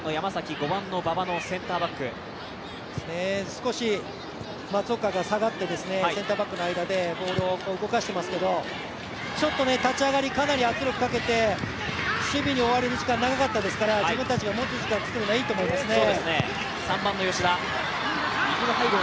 少し松岡が下がってセンターバックの間でボールを動かしていますけどちょっと立ち上がりかなり圧力かけて、守備に追われる時間長かったですから自分たちが持つといいと思いますね。